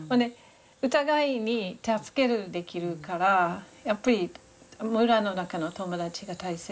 お互いに助けるできるからやっぱり村の中の友達が大切やなと思うのね。